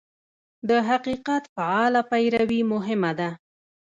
د حقیقت فعاله پیروي مهمه ده.